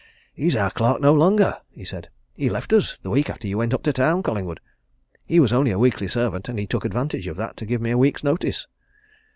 "He's our clerk no longer!" he said. "He left us the week after you went up to town, Collingwood. He was only a weekly servant, and he took advantage of that to give me a week's notice.